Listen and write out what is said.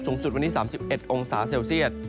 สุดวันนี้๓๑องศาเซลเซียต